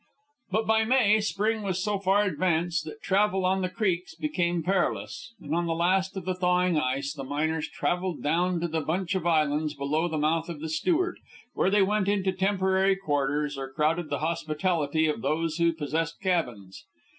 But by May, spring was so far advanced that travel on the creeks became perilous, and on the last of the thawing ice the miners travelled down to the bunch of islands below the mouth of the Stewart, where they went into temporary quarters or crowded the hospitality of those who possessed cabins.